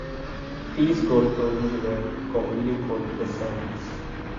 These gold coins were commonly called bezants.